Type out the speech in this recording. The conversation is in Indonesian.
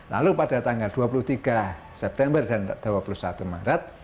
lalu pada tanggal dua puluh tiga september dan dua puluh satu maret